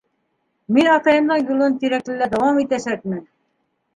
Мин атайымдың юлын Тирәклелә дауам итәсәкмен!